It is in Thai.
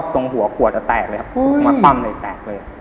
ตรงหัวขัวจะแตกเลยครับมาปั๊มเลยแตกเลย